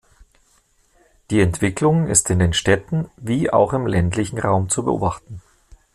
Die Entwicklung ist in den Städten wie auch im ländlichen Raum zu beobachten.